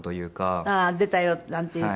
ああー出たよなんて言うと。